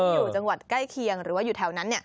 อยู่จังหวัดใกล้เคียงหรือว่าอยู่แถวนั้น